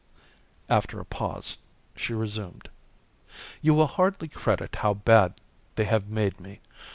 After a pause, she resumed: "You will hardly credit how bad they have made me.